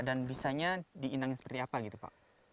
dan bisanya diinang seperti apa